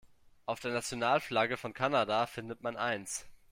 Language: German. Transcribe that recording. Auf der Nationalflagge von Kanada findet man eins.